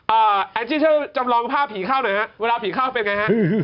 อ่าแอคซี่เชิญจำลองภาพผีเข้าหน่อยฮะเวลาผีเข้าเป็นไงฮะ